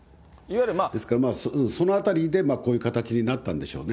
ですからそのあたりで、こういう形になったんでしょうね。